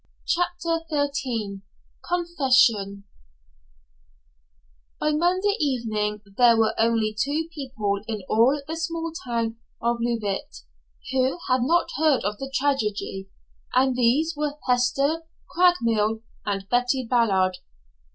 CHAPTER XIII CONFESSION By Monday evening there were only two people in all the small town of Leauvite who had not heard of the tragedy, and these were Hester Craigmile and Betty Ballard.